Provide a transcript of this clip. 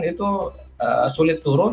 itu sulit turun